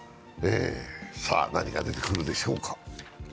さあ、何が出てくるでしょうか。